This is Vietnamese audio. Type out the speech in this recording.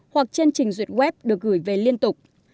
hoặc trên trình duyệt web được gửi về liên tục